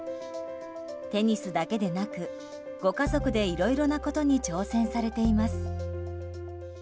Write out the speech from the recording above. テニスだけでなく、ご家族でいろいろなことに挑戦されています。